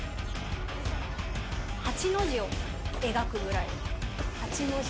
８の字を描くぐらい、８の字。